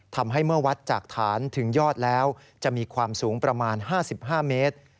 ทำให้เมื่อวัดจากฐานถึงยอดแล้วจะมีความสูงประมาณ๕๕เมตร